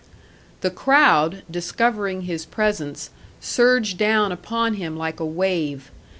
The crowd, discovering his presence, surged down upon him like a wave.